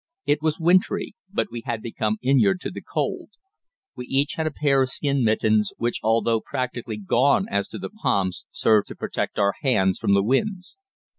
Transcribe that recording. It was wintry, but we had become inured to the cold. We each had a pair of skin mittens, which although practically gone as to the palms, served to protect our hands from the winds.